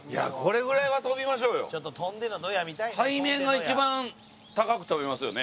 背面が一番高く跳べますよね？